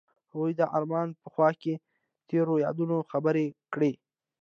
هغوی د آرمان په خوا کې تیرو یادونو خبرې کړې.